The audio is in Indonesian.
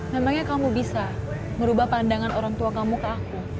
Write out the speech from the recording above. memangnya kamu bisa merubah pandangan orang tua kamu ke aku